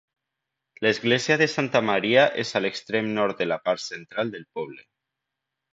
L'església de Santa Maria és a l'extrem nord de la part central del poble.